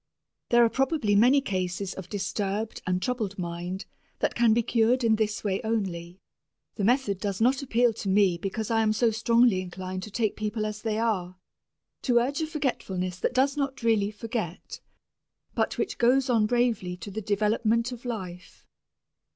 There are probably many cases of disturbed and troubled mind that can be cured in this way only. The method does not appeal to me because I am so strongly inclined to take people as they are, to urge a forgetfulness that does not really forget, but which goes on bravely to the development of life.